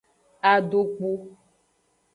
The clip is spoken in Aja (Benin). Adokpu.